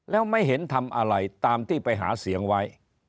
แล้วไม่เห็นทำอะไรตามที่ไปหาเสียงไว้